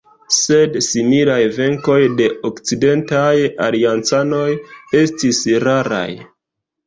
Sed similaj venkoj de okcidentaj aliancanoj estis raraj.